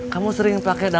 kamu sering pake daging kan